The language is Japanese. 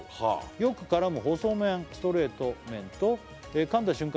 「よく絡む細麺ストレート麺とかんだ瞬間に」